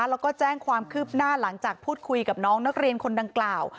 แล้วก็แจ้งความคืบหน้าหลังจากพูดคุยกับน้องนักเรียนคนดังกล่าว